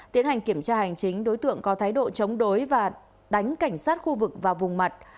tiến hành kiểm tra hành chính đối tượng có thái độ chống đối và đánh cảnh sát khu vực vào vùng mặt